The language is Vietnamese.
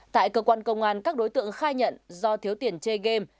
tại cơ quan công an các đối tượng khai nhận do thiếu tiền chơi game